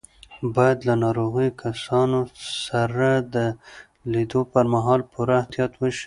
باید له ناروغو کسانو سره د لیدو پر مهال پوره احتیاط وشي.